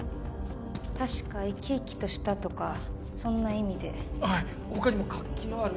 確か「生き生きとした」とかそんな意味ではい他にも「活気のある」